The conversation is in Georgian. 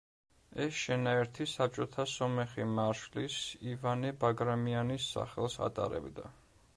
ეს შენაერთი საბჭოთა სომეხი მარშლის ივანე ბაგრამიანის სახელს ატარებდა.